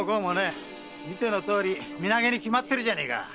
見てのとおり身投げに決まってるじゃねえか。